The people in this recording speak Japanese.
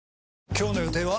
今日の予定は？